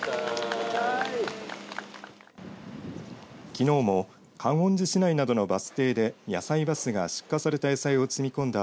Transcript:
きのうも観音寺市内などのバス停でやさいバスが出荷された野菜を積み込んだ